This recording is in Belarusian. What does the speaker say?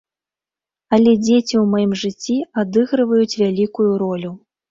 Але дзеці ў маім жыцці адыгрываюць вялікую ролю.